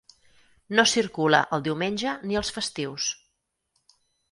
No circula el diumenge ni els festius.